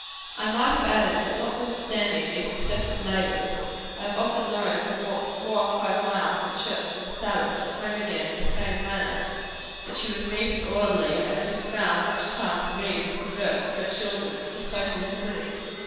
I might have added, that notwithstanding these incessant labors, I have often known her walk four or five miles to church on the Sabbath, and home again in the same manner; that she was neat and orderly; and that she found much time to read and converse with her children, and for social visiting.